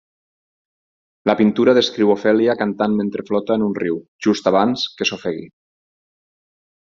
La pintura descriu Ofèlia cantant mentre flota en un riu just abans que s'ofegui.